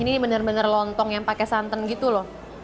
ini benar benar lontong yang pakai santan gitu loh